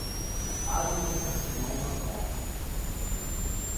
Adenocarcinoma Gástrico